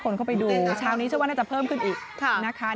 มาดูเช้านี้เชื่อว่าจะเพิ่มขึ้นอีกนะคะ